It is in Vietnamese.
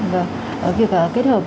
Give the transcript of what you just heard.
vâng việc kết hợp